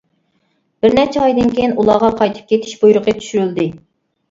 بىر نەچچە ئايدىن كېيىن ئۇلارغا قايتىپ كېتىش بۇيرۇقى چۈشۈرۈلدى.